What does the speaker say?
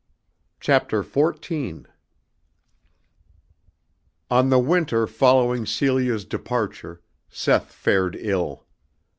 CHAPTER XIV. On the winter following Celia's departure, Seth fared ill.